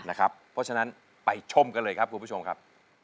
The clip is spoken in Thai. เพราะฉะนั้นไปชมกันเลยครับคุณผู้ชมครับ